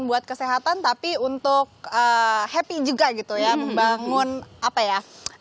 buat kesehatan tapi untuk happy juga gitu ya membangun apa ya